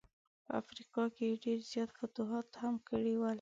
په افریقا کي یې ډېر زیات فتوحات هم کړي ول.